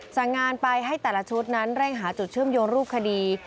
สั่งงานไปให้แต่ละชุดนั้นเร่งหาจุดเชื่อมโยงรูปคดี